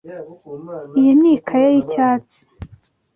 Iyi ni ikaye y'icyatsi.